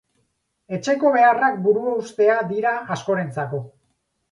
Etxeko beharrak buruhaustea dira askorentzako.